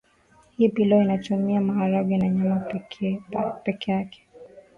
Hii pilau inatumia maharage na nyama peke yake